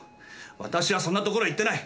私はそんなところへ行ってない！